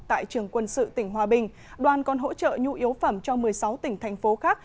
tại trường quân sự tỉnh hòa bình đoàn còn hỗ trợ nhu yếu phẩm cho một mươi sáu tỉnh thành phố khác